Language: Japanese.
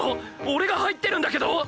俺が入ってるんだけど！？